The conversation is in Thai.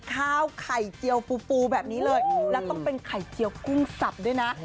ข้าวไข่เจียวปูแบบนี้เลยแล้วต้องเป็นไข่เจียวกุ้งสับด้วยนะ